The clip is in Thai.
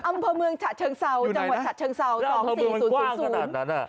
อำเภอเมืองฉะเชิงเซาจังหวัดฉะเชิงเซา๒๔๐๐